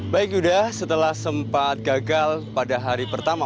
baik yuda setelah sempat gagal pada hari pertama